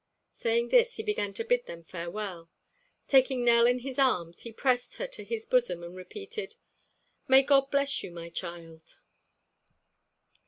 Saying this, he began to bid them farewell. Taking Nell in his arms, he pressed her to his bosom and repeated: "May God bless you, my child."